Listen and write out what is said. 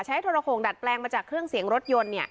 โทรโขงดัดแปลงมาจากเครื่องเสียงรถยนต์